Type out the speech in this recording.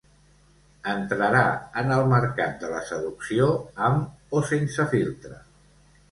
Entrarà en el mercat de la seducció amb o sense filtre.